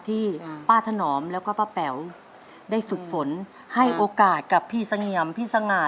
ที่ป้าถนอมแล้วก็ป้าแป๋วได้ฝึกฝนให้โอกาสกับพี่เสงี่ยมพี่สง่า